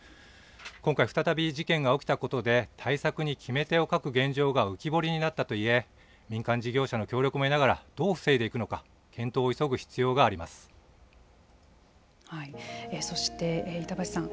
今回、再び事件が起きたことで対策に決め手を欠く原因が浮き彫りになったといえ民間事業者の協力も得ながらどう防いでいくのかそして、板橋さん